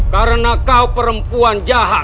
karena kau perempuan jahat